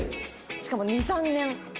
しかも２３年。